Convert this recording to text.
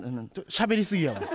しゃべりすぎやわ。